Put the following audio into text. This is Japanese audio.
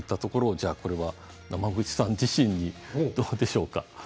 じゃあこれは野間口さん自身どうでしょうか？